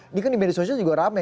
ini kan di media sosial juga rame